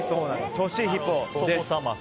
トシヒポです。